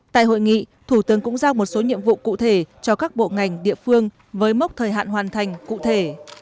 tại hội nghị thủ tướng cũng giao một số nhiệm vụ cụ thể cho các bộ ngành địa phương với mốc thời hạn hoàn thành cụ thể